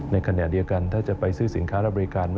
ในขณะเดียวกันถ้าจะไปซื้อสินค้าและบริการ